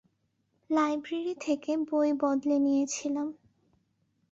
Library থেকে বই বদলে নিয়েছিলাম।